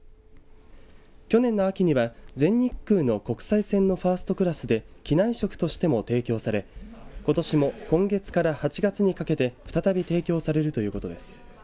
去年の秋には全日空の国際線のファーストクラスで機内食としても提供されことしも今月から８月にかけて再び提供されるということです。